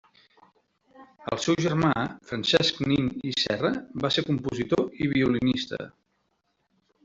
El seu germà, Francesc Nin i Serra, va ser compositor i violinista.